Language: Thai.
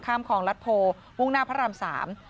ข้ามคองลัดโพวงหน้าพระรามสาม